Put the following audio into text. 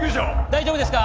大丈夫ですか？